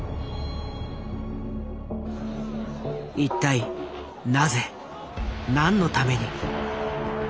一体なぜ？何のために？